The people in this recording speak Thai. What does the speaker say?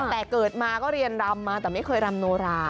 แต่เกิดมาก็เรียนรำมาแต่ไม่เคยรำโนรา